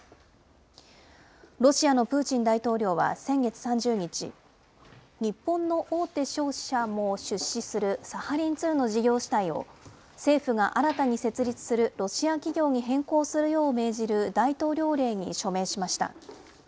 ロシアのプーチン大統領は先月３０日、日本の大手商社も出資するサハリン２の事業主体を、政府が新たに設立するロシア企業に変更するよう命じる大統領令に署名しました。